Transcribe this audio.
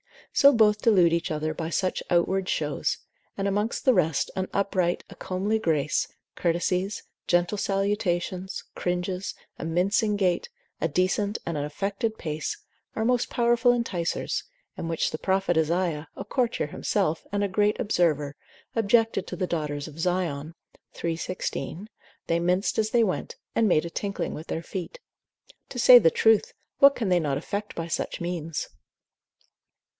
So both delude each other by such outward shows; and amongst the rest, an upright, a comely grace, courtesies, gentle salutations, cringes, a mincing gait, a decent and an affected pace, are most powerful enticers, and which the prophet Isaiah, a courtier himself, and a great observer, objected to the daughters of Zion, iii. 16. they minced as they went, and made a tinkling with their feet. To say the truth, what can they not effect by such means?